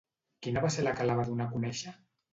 Quina va ser la que la va donar a conèixer?